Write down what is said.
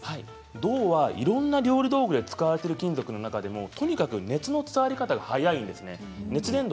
銅はいろんな料理道具に使われている金属の中でも熱の伝わり方が早いんですね。